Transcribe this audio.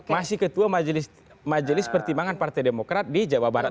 masih ketua majelis pertimbangan partai demokrat di jawa barat